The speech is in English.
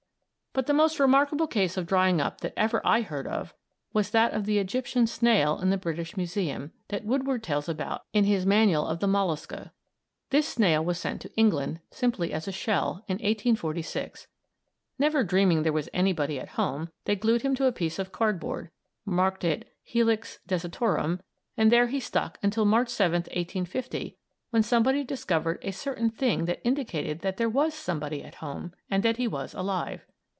But the most remarkable case of drying up that ever I heard of was that of the Egyptian snail in the British Museum, that Woodward tells about in his "Manual of the Mollusca." This snail was sent to England, simply as a shell, in 1846. Never dreaming there was anybody at home, they glued him to a piece of cardboard, marked it Helix Desertorum, and there he stuck until March 7, 1850, when somebody discovered a certain thing that indicated that there was somebody "at home," and that he was alive.